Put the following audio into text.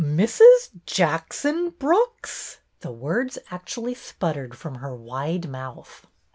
" Mrs. Jackson Brooks? " The words actually sputtered from her wide mouth.